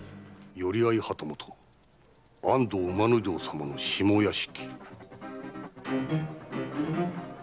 寄合旗本安藤右馬允様の下屋敷